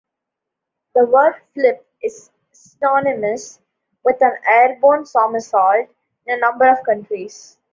The word "flip" is synonymous with an airborne somersault in a number of countries.